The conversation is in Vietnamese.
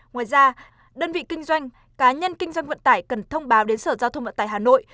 ngoài ra đơn vị kinh doanh cá nhân kinh doanh vận tải cần thông báo đến sở giao thông vận tải hà nội